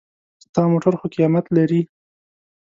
ستا موټر خو قېمت لري.